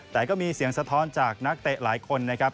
แต่ก็มีเสียงสะท้อนจากนักเตะหลายคนนะครับ